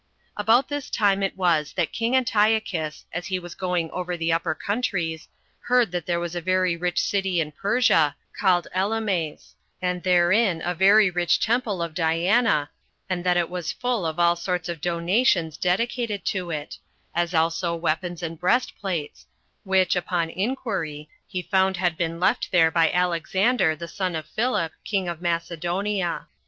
1. About this time it was that king Antiochus, as he was going over the upper countries, heard that there was a very rich city in Persia, called Elymais; and therein a very rich temple of Diana, and that it was full of all sorts of donations dedicated to it; as also weapons and breastplates, which, upon inquiry, he found had been left there by Alexander, the son of Philip, king of Macedonia.